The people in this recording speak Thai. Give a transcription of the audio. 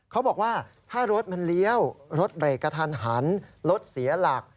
เขาบอกว่าถ้ารถมันเลี้ยวรถเบรกกระทันหันรถเสียหลัก